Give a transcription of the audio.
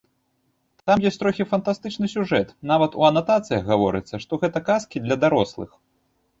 Там ёсць трохі фантастычны сюжэт, нават у анатацыях гаворыцца, што гэта казкі для дарослых.